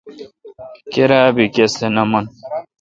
کیراب بی کس تھ نہ من۔